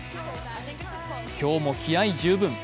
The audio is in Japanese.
今日も気合い十分。